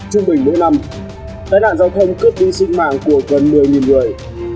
chương bình mỗi năm tai nạn giao thông cướp tin sinh mạng của gần một mươi người